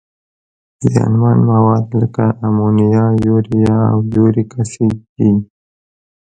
زیانمن مواد لکه امونیا، یوریا او یوریک اسید دي.